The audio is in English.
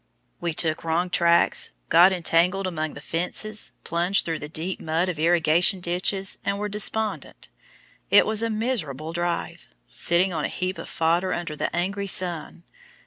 We took wrong tracks, got entangled among fences, plunged through the deep mud of irrigation ditches, and were despondent. It was a miserable drive, sitting on a heap of fodder under the angry sun.